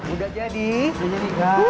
udah jadi kak